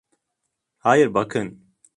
Hayır, bakın.